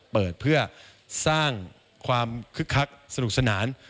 เปิดเพื่อสร้างความคึกคักสนุกสนาน